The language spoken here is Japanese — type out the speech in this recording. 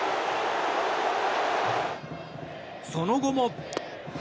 その後も。